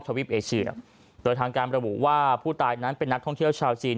ทวีปเอเชียโดยทางการระบุว่าผู้ตายนั้นเป็นนักท่องเที่ยวชาวจีน